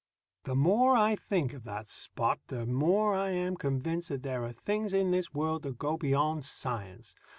The more I think of that Spot, the more I am convinced that there are things in this world that go beyond science.